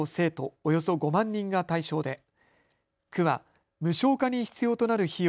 およそ５万人が対象で区は無償化に必要となる費用